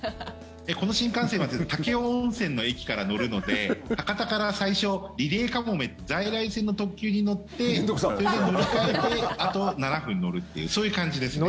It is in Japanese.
この新幹線は武雄温泉の駅から乗るので博多から最初、リレーかもめ在来線の特急に乗ってそれで乗り換えてあと７分乗るというそういう感じですね。